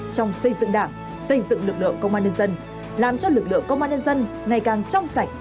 trong xây dựng đảng xây dựng lực lượng công an nhân dân làm cho lực lượng công an nhân dân ngày càng trong sạch